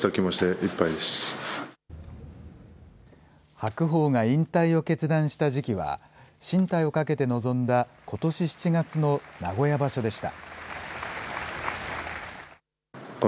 白鵬が引退を決断した時期は、進退をかけて臨んだ、ことし７月の名古屋場所でした。